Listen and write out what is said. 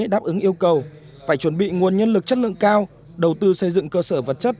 của thủ tướng yêu cầu phải chuẩn bị nguồn nhân lực chất lượng cao đầu tư xây dựng cơ sở vật chất